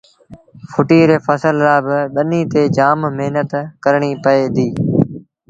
ڦٽيٚ ري ڦسل لآبا ٻنيٚ تي جآم مهنت ڪرڻيٚ پئي ديٚ